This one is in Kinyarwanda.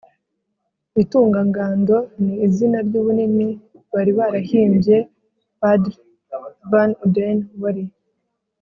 Bitungangando: ni izina ry'ubunini bari barahimbye Padri Van Uden. wari